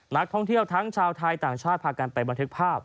นักท่องเที่ยวทั้งชาวไทยต่างชาติพากันไปบันทึกภาพ